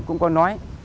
cũng có nói